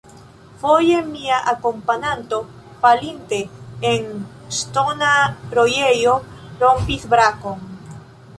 Foje mia akompananto, falinte en ŝtona rojejo, rompis brakon.